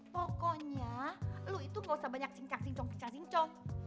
pokoknya lo itu gak usah banyak singcak singcong pingcak singcong